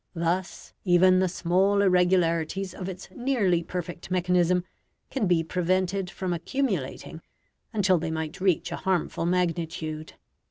Thus even the small irregularities of its nearly perfect mechanism can be prevented from accumulating until they might reach a harmful magnitude.